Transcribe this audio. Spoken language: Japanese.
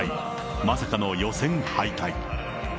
まさかの予選敗退。